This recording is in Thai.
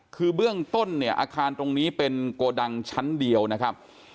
คือเบื้องต้นเนี่ยอาคารตรงนี้เป็นโกดังชั้นเดียวนะครับ